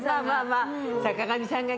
坂上さんが。